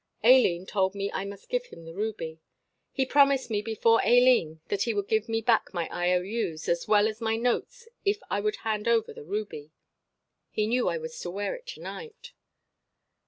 Aileen told me I must give him the ruby. He promised me before Aileen that he would give me back my I.O.U.'s as well as my notes if I would hand over the ruby. He knew I was to wear it to night.